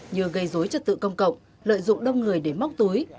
như gây dối trật tự công cộng lợi dụng đông người để móc túi